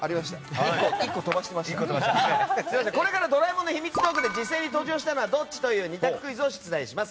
これから「ドラえもん」のひみつ道具で実際に登場したのはどっち？という２択クイズを出題します。